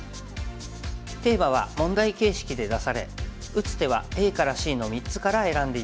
テーマは問題形式で出され打つ手はＡからＣの３つから選んで頂きます。